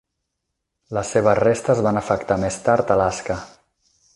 Les seves restes van afectar més tard Alaska.